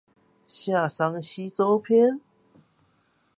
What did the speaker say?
夏商西周篇